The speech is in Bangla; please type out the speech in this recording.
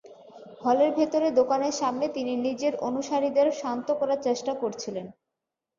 হলের ভেতরে দোকানের সামনে তিনি নিজের অনুসারীদের শান্ত করার চেষ্টা করছিলেন।